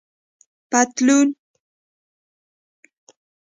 👖پطلون